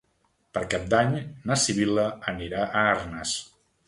Per Cap d'Any na Sibil·la anirà a Arnes.